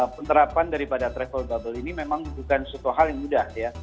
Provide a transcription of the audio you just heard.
penerapan daripada travel bubble ini memang bukan suatu hal yang mudah ya